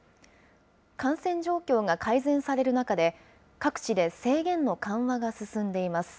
感染状況が改善される中で、各地で制限の緩和が進んでいます。